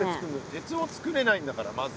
鉄をつくれないんだからまず。